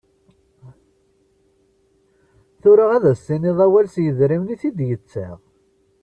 Tura ad as-tiniḍ awal s yedrimen i t-id-yettaɣ.